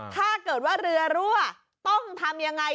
ถ้าเกิดว่าเรือรั่วต้องทำยังไง